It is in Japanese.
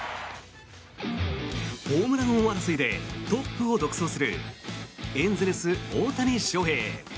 ホームラン王争いでトップを独走するエンゼルス、大谷翔平。